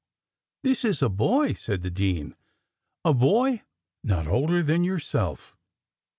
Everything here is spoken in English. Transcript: "This is a boy," said the dean; "a boy not older than yourself."